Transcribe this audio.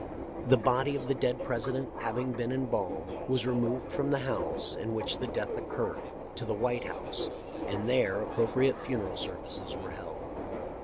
The body of the dead President, having been em balmed, was removed from the house in which the death occurred to the White House, and there appro priate funeral services were held.